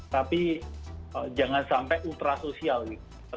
tapi jangan sampai ultra sosial gitu